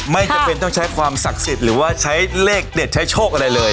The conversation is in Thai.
ไม่จำเป็นต้องใช้ความศักดิ์สิทธิ์หรือว่าใช้เลขเด็ดใช้โชคอะไรเลย